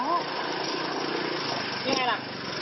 ยังไงล่ะ